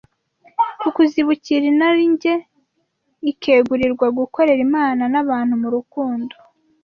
ku kuzibukira inarinjye ikegurirwa gukorera Imana n’abantu mu rukundo.